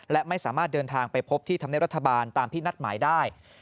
และไม่สามารถเดินทางไปพบที่ธรรมเนียบรัฐบาลตามที่นัดหมายได้